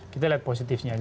kita lihat positifnya aja